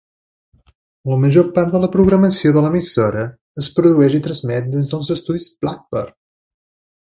La major part de la programació de l'emissora es produeix i transmet des dels estudis Blackburn.